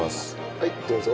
はいどうぞ。